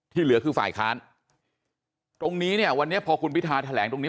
เหลือคือฝ่ายค้านตรงนี้เนี่ยวันนี้พอคุณพิทาแถลงตรงนี้